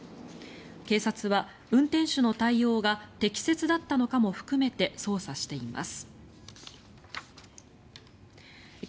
警察は運転手の対応が適切だったのかも含めて捜査しています。